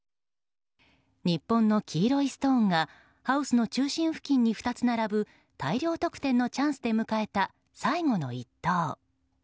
日本の黄色いストーンがハウスの中心付近に２つ並ぶ大量得点のチャンスで迎えた最後の１投。